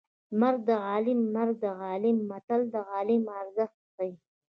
مرګ د عالیم مرګ د عالیم متل د عالم ارزښت ښيي